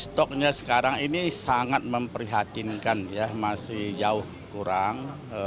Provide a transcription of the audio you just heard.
stoknya sekarang ini sangat memprihatinkan ya masih jauh kurang